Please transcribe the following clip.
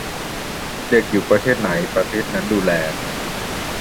"เด็กอยู่ประเทศไหน ประเทศนั้นดูแล"